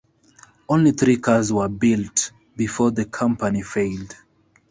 Only three cars were built before the company failed.